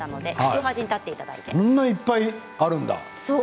こんなにいっぱいあるんだ。